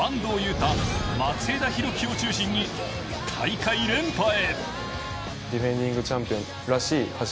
汰、松枝博輝を中心に大会連覇へ。